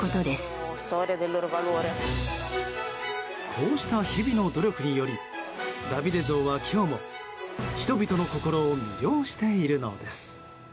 こうした日々の努力によりダビデ像は今日も人々の心を魅了しているのです。